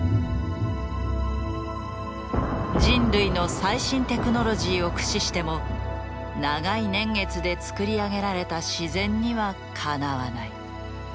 人類の最新テクノロジーを駆使しても長い年月でつくり上げられた自然にはかなわない。